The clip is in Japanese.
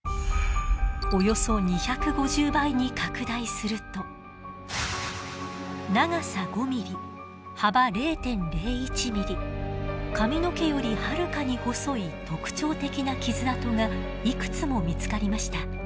およそ２５０倍に拡大すると長さ５ミリ幅０．０１ミリ髪の毛よりはるかに細い特徴的な傷痕がいくつも見つかりました。